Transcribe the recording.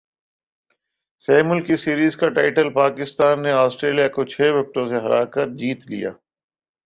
سہ ملکی سیریز کا ٹائٹل پاکستان نے اسٹریلیا کو چھ وکٹوں سے ہرا کرجیت لیا